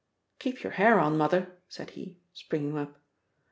"Keep your hair on, Mother," said he, springing up.